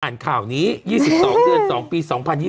อ่านข่าวนี้๒๒เดือน๒ปี๒๐๒๐